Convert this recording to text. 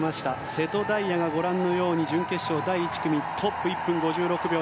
瀬戸大也がご覧のように準決勝第１組トップ１分５６秒７４。